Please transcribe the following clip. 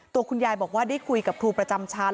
ตัวคุณยายบอกว่าได้คุยกับครูประจำชั้น